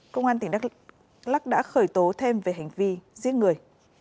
công an tỉnh đắk lắc đã khởi tố thêm về hành vi giết người